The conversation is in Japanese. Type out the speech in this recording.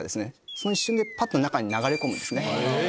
その一瞬でぱっと中に流れ込むんですね。